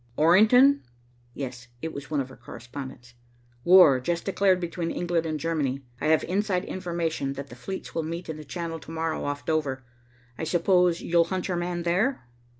"Orrington?" "Yes." It was one of our correspondents. "War just declared between England and Germany. I have inside information that the fleets will meet in the Channel, to morrow, off Dover. I suppose you'll hunt your man there?"